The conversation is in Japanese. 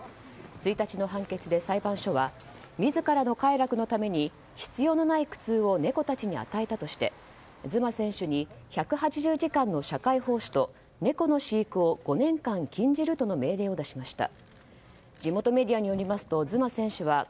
１日の判決で裁判所は自らの快楽のために必要のない苦痛を猫たちに与えたとしてズマ選手に１８０時間の社会奉仕と猫の飼育を５年間禁じるとの命令を出しました。